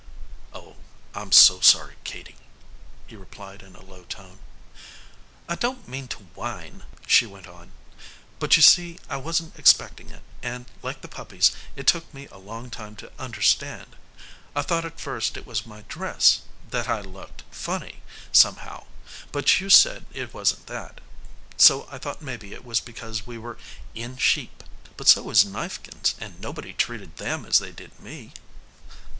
"Oh, I'm so sorry, Katie," he replied in a low tone. "I don't mean to whine," she went on, "but you see I wasn't expecting it, and, like the puppies, it took me a long time to understand. I thought at first it was my dress that I looked funny, somehow; but you said it wasn't that, so I thought maybe it was because we were 'in sheep,' but so is Neifkins, and nobody treated them as they did me."